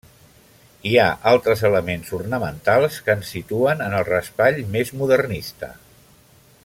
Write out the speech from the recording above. Hi ha altres elements ornamentals que ens situen en el Raspall més modernista.